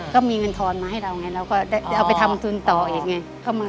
ก็มีเงินทอนมาให้เราไงเราก็จะเอาไปทำทุนต่ออีกไง